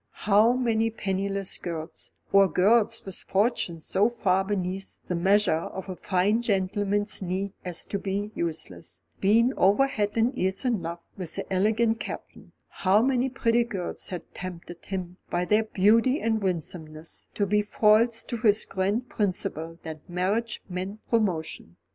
How many penniless girls, or girls with fortunes so far beneath the measure of a fine gentleman's needs as to be useless, had been over head and ears in love with the elegant Captain; how many pretty girls had tempted him by their beauty and winsomeness to be false to his grand principle that marriage meant promotion.